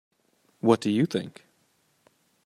What did you think?